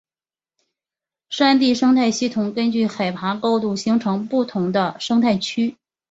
山地生态系统根据海拔高度形成不同的生态区。